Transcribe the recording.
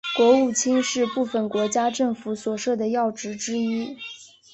国务卿是部份国家政府所设的要职之一。